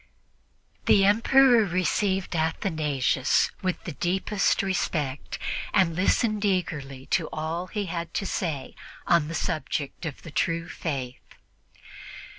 The Emperor received Athanasius with the deepest respect and listened eagerly to all he had to say on the subject of the true Faith.